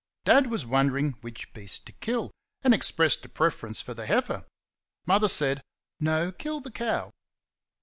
Dad was wondering which beast to kill, and expressed a preference for the heifer. Mother said, "No, kill the cow."